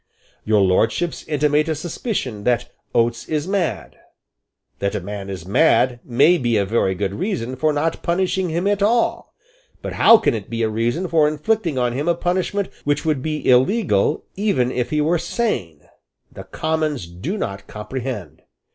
Your Lordships intimate a suspicion that Oates is mad. That a man is mad may be a very good reason for not punishing him at all. But how it can be a reason for inflicting on him a punishment which would be illegal even if he were sane, the Commons do not comprehend.